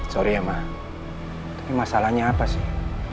sorry ya mbak tapi masalahnya apa sih